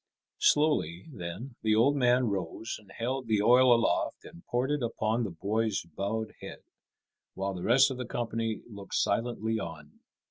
Slowly, then, the old man rose and held the oil aloft and poured it upon the boy's bowed head, while the rest of the company looked silently on.